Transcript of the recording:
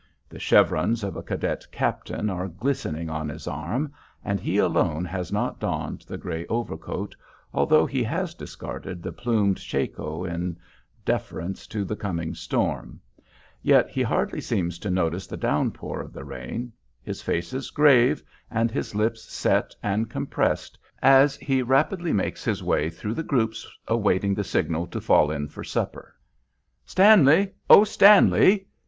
The chevrons of a cadet captain are glistening on his arm, and he alone has not donned the gray overcoat, although he has discarded the plumed shako in deference to the coming storm; yet he hardly seems to notice the downpour of the rain; his face is grave and his lips set and compressed as he rapidly makes his way through the groups awaiting the signal to "fall in" for supper. "Stanley! O Stanley!"